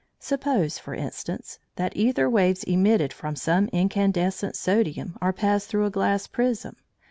Suppose, for instance, that æther waves emitted from some incandescent sodium are passed through a glass prism.